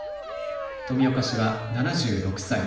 富岡氏は７６歳。